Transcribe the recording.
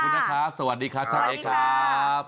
ขอบคุณนะครับสวัสดีค่ะช่างเอ๊กซ์ครับ